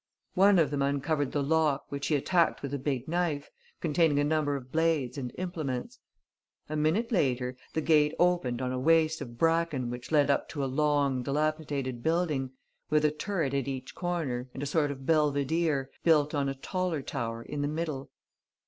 One of them uncovered the lock, which he attacked with a big knife, containing a number of blades and implements. A minute later, the gate opened on a waste of bracken which led up to a long, dilapidated building, with a turret at each corner and a sort of a belvedere, built on a taller tower, in the middle.